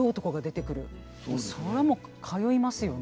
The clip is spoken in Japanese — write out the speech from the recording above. それはもう通いますよね。